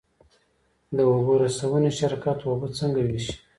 د اوبو رسونې شرکت اوبه څنګه ویشي؟